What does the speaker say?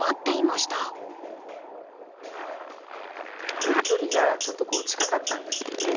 植える距離がちょっと近かったんですよね。